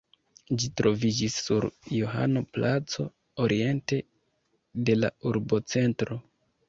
Ĝi troviĝis sur Johano-placo, oriente de la urbocentro.